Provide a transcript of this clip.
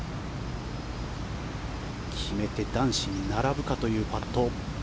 決めて男子に並ぶかというパット。